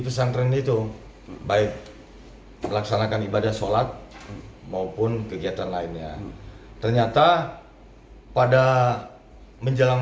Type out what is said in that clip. pesantren itu baik melaksanakan ibadah sholat maupun kegiatan lainnya ternyata pada menjelang